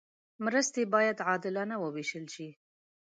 مرستې باید عادلانه وویشل شي.